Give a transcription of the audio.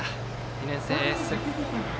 ２年生エース。